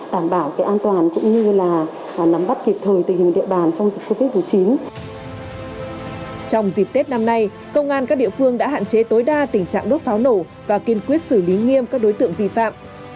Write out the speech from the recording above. trong dịp tết năm nay công an các địa phương đã hạn chế tối đa tình trạng đốt pháo nổ và kiên quyết xử lý nghiêm các đối tượng vi phạm